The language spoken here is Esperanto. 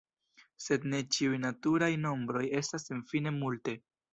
Sed de ĉiuj naturaj nombroj estas senfine multe.